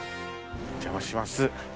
お邪魔します。